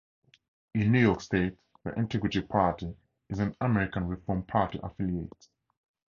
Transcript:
In New York State, the Integrity Party is an American Reform Party affiliate.